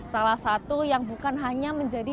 salah satu yang bukan hanya menjadi